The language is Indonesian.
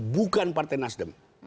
bukan partai nasdem